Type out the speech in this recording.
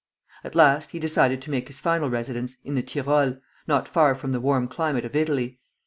At last he decided to make his final residence in the Tyrol, not far from the warm climate of Italy.